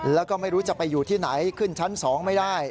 แล้วก็ไม่รู้จะไปอยู่ที่ไหนขึ้นชั้น๒ไม่ได้